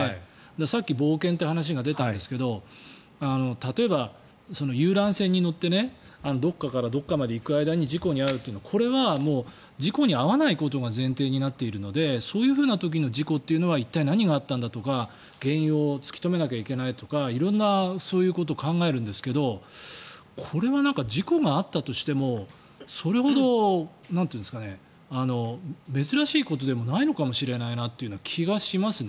さっき冒険という話が出たんですけど例えば、遊覧船に乗ってどこかからどこかまで行く間に事故に遭うというのはこれは事故に遭わないことが前提になっているのでそういうふうな時の事故というのは一体何があったんだとか原因を突き止めなきゃいけないとか色んなそういうことを考えるんですけどこれは事故があったとしてもそれほど珍しいことでもないのかなという気がしますね。